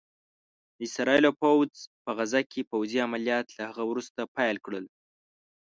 د اسرائيلو پوځ په غزه کې پوځي عمليات له هغه وروسته پيل کړل